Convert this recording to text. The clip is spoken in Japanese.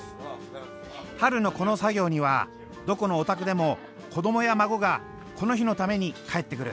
春のこの作業にはどこのお宅でも子供や孫がこの日のために帰ってくる。